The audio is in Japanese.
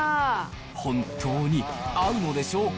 本当に合うのでしょうか。